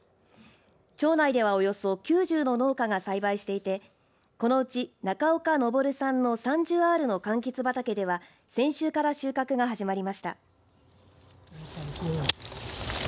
町内ではおよそ９０の農家が栽培していてこのうち、中岡昇さんの３０アールのかんきつ畑では先週から収穫が始まりました。